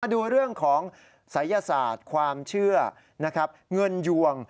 ดูเรื่องของศัยศาสตร์ความเชื่อนะครับเงินยวง